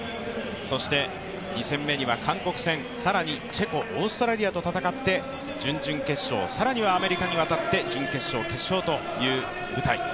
そして２戦目には韓国戦、更にチェコ、オーストラリアと戦って、準々決勝、更にはアメリカに渡って、準決勝決勝という舞台。